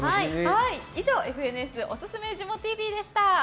以上ＦＮＳおすすめジモＴＶでした。